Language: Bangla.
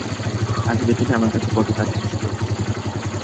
আজ বিকেলে আমার কাছে কত কাঁদিতেছিল।